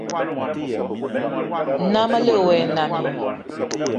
Na melig wa e nnam i?